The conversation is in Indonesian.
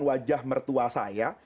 wajah mertua saya